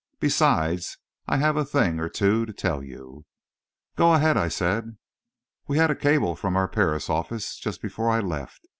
Besides, I have a thing or two to tell you." "Go ahead," I said. "We had a cable from our Paris office just before I left.